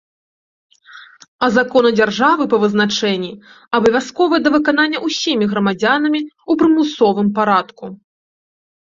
А законы дзяржавы, па вызначэнні, абавязковыя да выканання ўсімі грамадзянамі ў прымусовым парадку.